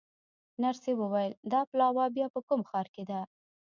نرسې وویل: دا پلاوا بیا په کوم ښار کې ده؟